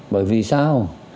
bởi vì sao